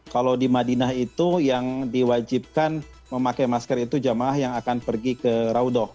kalau di madinah itu yang diwajibkan memakai masker itu jemaah yang akan pergi ke raudoh